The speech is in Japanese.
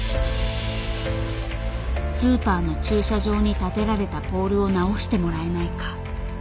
スーパーの駐車場にたてられたポールを直してもらえないか。